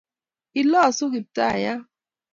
ilosu kiptayat